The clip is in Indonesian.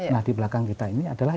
nah di belakang kita ini adalah